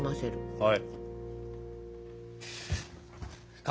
はい。